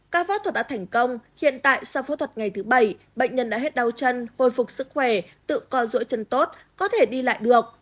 ca phẫu thuật đã thành công hiện tại sau phẫu thuật ngày thứ bảy bệnh nhân đã hết đau chân hồi phục sức khỏe tự co rũi chân tốt có thể đi lại được